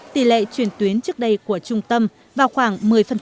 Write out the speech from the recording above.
tỷ lệ truyền tuyến trước đây của trung tâm vào khoảng một mươi